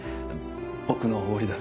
僕のおごりです。